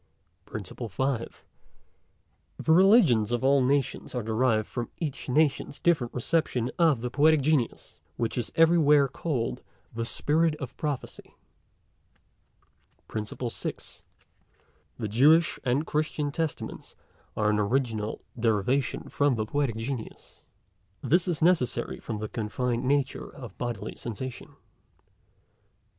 PRINCIPLE FIFTH. The Religions of all Nations are derived from each Nation's different reception of the Poetic Genius, which is everywhere call'd the Spirit of Prophecy. PRINCIPLE SIXTH. The Jewish and Christian Testaments are an original derivation from the Poetic Genius. This is necessary from the confined nature of bodily sensation.